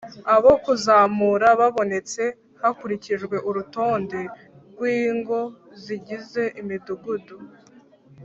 abo kuzamura babonetse hakurikijwe urutonde rw ingo zigize imidugudu